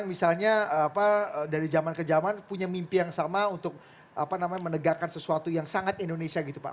misalnya dari zaman ke zaman punya mimpi yang sama untuk menegakkan sesuatu yang sangat indonesia gitu pak